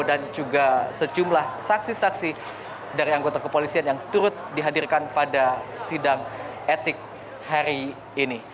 dan juga sejumlah saksi saksi dari anggota kepolisian yang turut dihadirkan pada sidang etik hari ini